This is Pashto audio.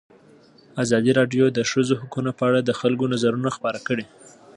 ازادي راډیو د د ښځو حقونه په اړه د خلکو نظرونه خپاره کړي.